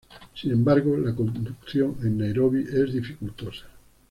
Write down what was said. Sin embargo, la conducción en Nairobi es dificultosa.